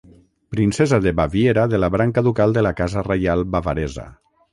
Princesa de Baviera de la branca ducal de la Casa reial bavaresa.